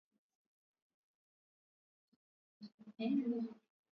Akatumbukia katika utumiaji wa dawa za kulevya na